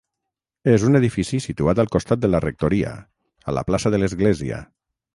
És un edifici situat al costat de la rectoria, a la plaça de l'Església.